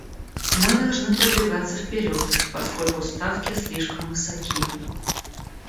Мы должны продвигаться вперед, поскольку ставки слишком высоки.